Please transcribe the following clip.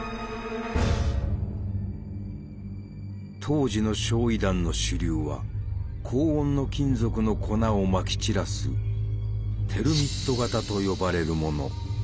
当時の焼夷弾の主流は高温の金属の粉をまき散らす「テルミット型」と呼ばれるもの。